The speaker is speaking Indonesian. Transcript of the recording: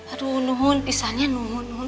aduh nuhun pisan ya nuhun